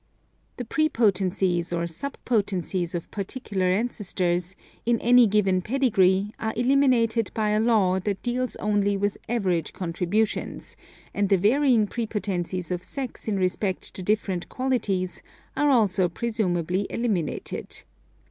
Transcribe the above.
The prepotencies or subpotencies of particular ancestors, in any given pedigree, are eliminated by a law that deals only with average contributions, and the varying prepotencies of sex in respect to different qualities, are also pre sumably eliminated.